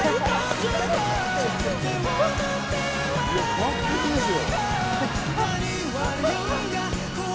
完璧ですよ。